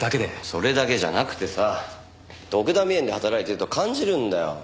それだけじゃなくてさドクダミ園で働いてると感じるんだよ。